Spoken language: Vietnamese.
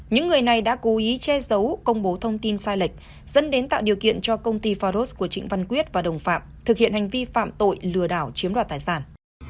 những người này đã cố ý che giấu công bố thông tin sai lệch dẫn đến tạo điều kiện cho công ty faros của trịnh văn quyết và đồng phạm thực hiện hành vi phạm tội lừa đảo chiếm đoạt tài sản